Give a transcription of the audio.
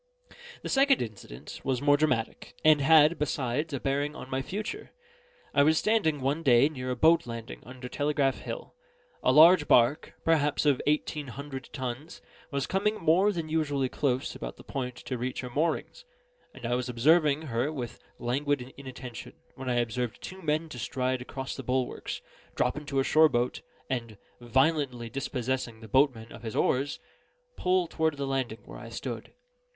The second incident was more dramatic, and had, besides, a bearing on my future. I was standing, one day, near a boat landing under Telegraph Hill. A large barque, perhaps of eighteen hundred tons, was coming more than usually close about the point to reach her moorings; and I was observing her with languid inattention, when I observed two men to stride across the bulwarks, drop into a shore boat, and, violently dispossessing the boatman of his oars, pull toward the landing where I stood.